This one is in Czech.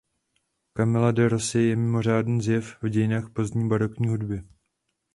Camilla de Rossi je mimořádný zjev v dějinách pozdní barokní hudby.